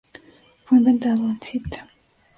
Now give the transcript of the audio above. Fue inventado en St.